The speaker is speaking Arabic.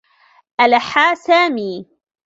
ألحّ سامي.